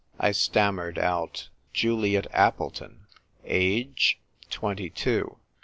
I Stammered out "Juliet Appleton." " Age ?" "Twenty two."